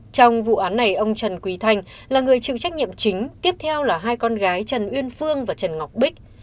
trong vụ án này ông trần quý thanh là người chịu trách nhiệm chính tiếp theo là hai con gái trần uyên phương và trần ngọc bích